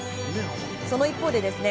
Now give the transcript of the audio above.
その一方でですね